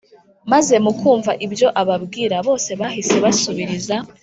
maze mukumva ibyo ababwira Bose bahise basubiriza